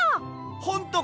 ほんとか！？